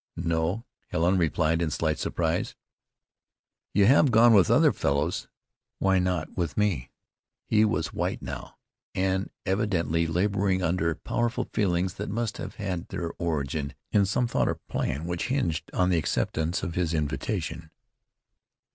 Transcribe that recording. "No," Helen replied in slight surprise. "You have gone with the other fellows. Why not with me?" He was white now, and evidently laboring under powerful feelings that must have had their origin in some thought or plan which hinged on the acceptance of his invitation.